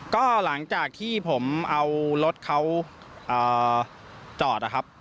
ก็หลังจากที่ผมเอารถเขาจอดนะครับ